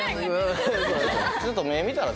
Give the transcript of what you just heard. ちょっと目見たら？